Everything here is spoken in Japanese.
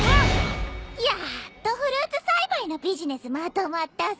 やっとフルーツ栽培のビジネスまとまったさ。